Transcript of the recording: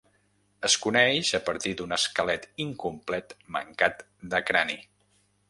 Es coneix a partir d'un esquelet incomplet mancat de crani.